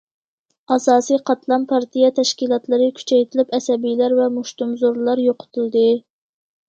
ئاساسىي قاتلام پارتىيە تەشكىلاتلىرى كۈچەيتىلىپ، ئەسەبىيلەر ۋە مۇشتۇمزورلار يوقىتىلدى.